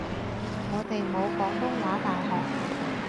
我哋冇廣東話大學